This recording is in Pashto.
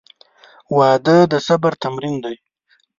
• واده د صبر تمرین دی.